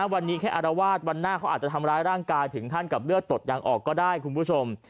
วันนี้แค่อารวาสวันหน้าเขาอาจจะทำร้ายร่างกายถึงขั้นกับเลือดตดยังออกก็ได้คุณผู้ชม